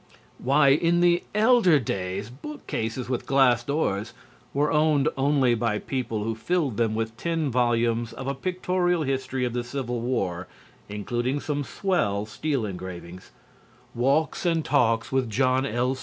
Why, in the elder days bookcases with glass doors were owned only by people who filled them with ten volumes of a pictorial history of the Civil War (including some swell steel engravings), "Walks and Talks with John L.